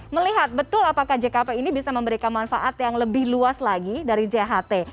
melihat betul apakah jkp ini bisa memberikan manfaat yang lebih luas lagi dari jht